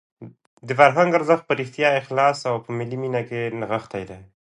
د فرهنګ ارزښت په رښتیني اخلاص او په ملي مینه کې نغښتی دی.